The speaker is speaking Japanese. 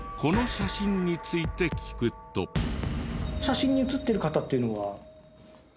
写真に写ってる方っていうのは？